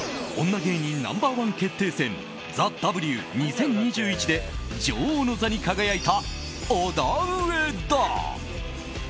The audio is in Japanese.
女芸人ナンバー１決定戦「ＴＨＥＷ２０２１」で女王の座に輝いたオダウエダ。